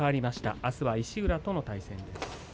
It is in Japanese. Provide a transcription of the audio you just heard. あすは石浦との対戦です。